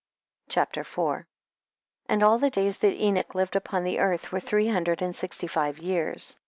CHAPTER IV. 1. And all the days that Enoch lived upon the earth, were three hundred and sixty five years.